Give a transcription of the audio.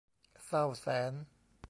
เศร้าแสน